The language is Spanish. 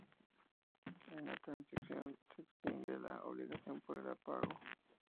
En la transacción se extingue la obligación por el pago.